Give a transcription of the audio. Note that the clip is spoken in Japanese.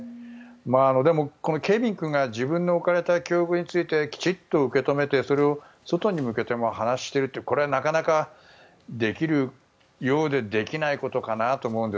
でも、ケビン君が自分の置かれた境遇についてきちんと受け止めてそれを外に向けて話をしているというのはなかなかできるようでできないことかと思うんです。